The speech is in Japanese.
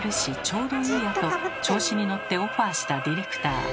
ちょうどいいやと調子に乗ってオファーしたディレクター。